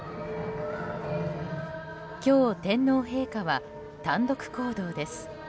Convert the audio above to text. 今日、天皇陛下は単独行動です。